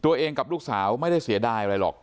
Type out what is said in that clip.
ตัวเองกับลูกสาวไม่ได้เสียได้อะไรหรอก